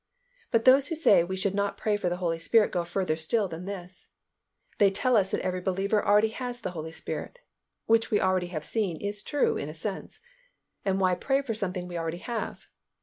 But those who say we should not pray for the Holy Spirit go further still than this. They tell us that every believer already has the Holy Spirit (which we have already seen is true in a sense), and why pray for what we already have?